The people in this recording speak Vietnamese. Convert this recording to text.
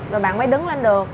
rồi bạn mới đứng lên được